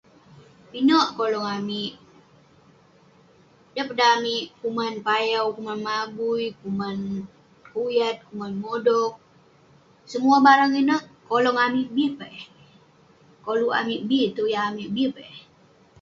Pinek kolong amik. Niah peh dan amik kuman payau, kuman mabui, kuman kuyat, kuman modog. Semuah barang ineh, kolong amik bi peh eh. Koluk amik bi, tuyah amik bi peh.